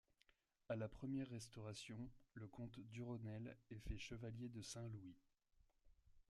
À la première Restauration, le comte Durosnel est fait chevalier de Saint-Louis.